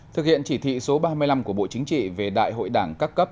thực hiện chỉ thị số ba mươi năm của bộ chính trị về đại hội đảng các cấp